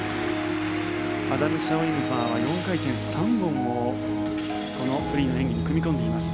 アダム・シャオ・イム・ファは４回転３本をこのフリーの演技に組み込んでいます。